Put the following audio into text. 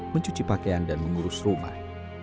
mencuci pakaian dan mengurus rumah